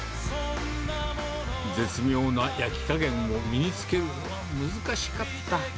絶妙な焼き加減を身につけるのは難しかった。